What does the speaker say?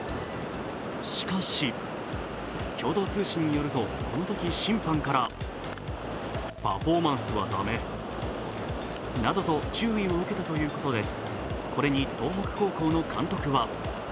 しかし、共同通信によると、このとき審判からパフォーマンスは駄目などと注意を受けたということです。